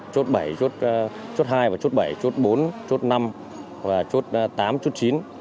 hai chốt chốt hai chốt bảy chốt bốn chốt năm chốt tám chốt chín